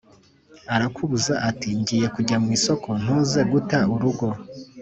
Arakabuza ati: ngiye kujya kwisoko ntuze guta urugo